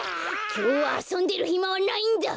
きょうはあそんでるひまはないんだ。